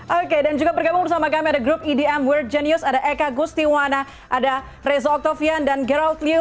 oke dan juga bergabung bersama kami ada grup edm world genius ada eka gustiwana ada reza oktavian dan girold liu